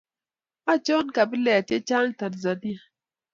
Achon kabilet che chang en Tanzania